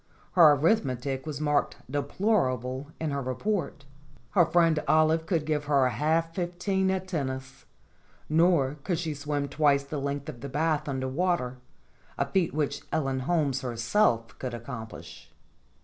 Her arithmetic was marked "Deplorable" in her report. Her friend Olive could give her half fif teen at tennis, nor could she swim twice the length of the bath under water, a feat which Ellen Holmes her self could accomplish.